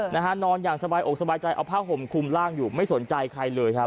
นะฮะนอนอย่างสบายอกสบายใจเอาผ้าห่มคุมร่างอยู่ไม่สนใจใครเลยครับ